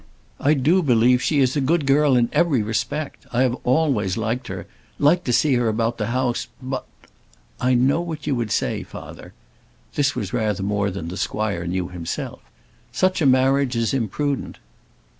I do believe she is a good girl in every respect. I have always liked her; liked to see her about the house. But " "I know what you would say, father." This was rather more than the squire knew himself. "Such a marriage is imprudent."